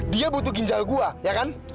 dia butuh ginjal gua ya kan